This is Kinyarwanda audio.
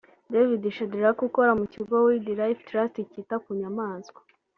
David Sheldrick ukora mu kigo Wildlife Trust cyita kunyamaswa